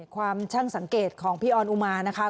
ความช่างสังเกตของพี่ออนอุมานะคะ